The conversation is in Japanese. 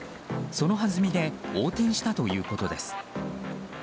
そのはずみで横転したということです。